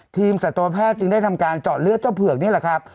สัตวแพทย์จึงได้ทำการเจาะเลือดเจ้าเผือกนี่แหละครับ